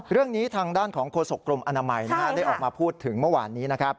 เรื่องนี้ทางด้านของโฆษกรมอนามัยได้ออกมาพูดถึงเมื่อวานนี้นะครับ